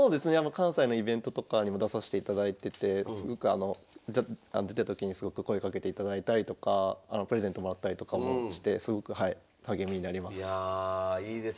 関西のイベントとかにも出さしていただいてて出た時にすごく声かけていただいたりとかプレゼントもらったりとかもしてすごくはい励みになります。